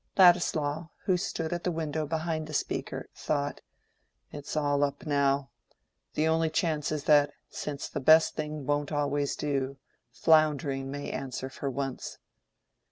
Ladislaw, who stood at the window behind the speaker, thought, "it's all up now. The only chance is that, since the best thing won't always do, floundering may answer for once."